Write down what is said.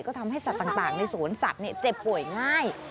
ก็ทำให้สัตว์ต่างในสวนสัตว์เจ็บป่วยง่าย